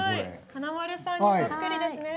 華丸さんにそっくりですね。